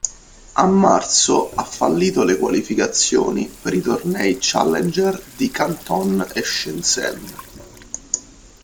A marzo ha fallito le qualificazioni per i tornei challenger di Canton e Shenzhen.